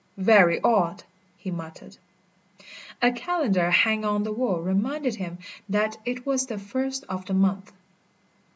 "Very odd!" he muttered. A calendar hanging on the wall reminded him that it was the first of the month.